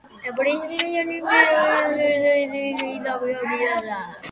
ამით დასრულდა რაგბის სამოყვარულო ისტორია, რასაც ერთ საუკუნეზე მეტი ვერ ელეოდა საერთაშორისო საბჭო.